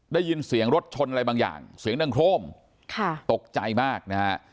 ได้ยินเสียงรถชนอะไรบางอย่างเสียงดังโครมค่ะตกใจมากนะฮะ